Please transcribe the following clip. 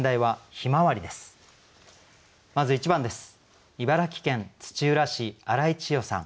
まず１番です。